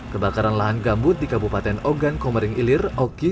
kebakaran lahan gambut di kabupaten ogan komering ilir oki